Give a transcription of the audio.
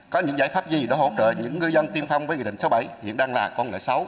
có những giải pháp gì để hỗ trợ những ngư dân tiên phong với nghị định sáu mươi bảy hiện đang là con nợ sáu